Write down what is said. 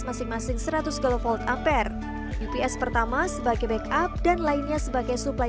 masing masing seratus kv ampere ups pertama sebagai backup dan lainnya sebagai supply